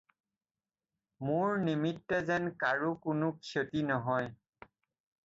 মোৰ নিমিত্তে যেন কাৰো কোনো ক্ষতি নহয়।